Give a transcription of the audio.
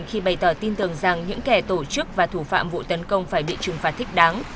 khi bày tỏ tin tưởng rằng những kẻ tổ chức và thủ phạm vụ tấn công phải bị trừng phạt thích đáng